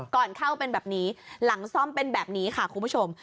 ก่อนเข้าเป็นแบบนี้หลังซ่อมเป็นแบบนี้ค่ะคุณผู้ชม